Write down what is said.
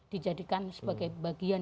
dijadikan sebagai bagian